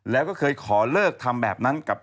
แล้วก็เคยขอเลิกทำแบบนั้นกับ